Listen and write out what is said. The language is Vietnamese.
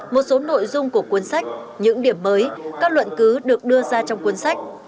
một số nội dung của cuốn sách những điểm mới các luận cứ được đưa ra trong cuốn sách